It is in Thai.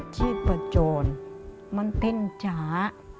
ชีพประจนมันเต้นจ๋า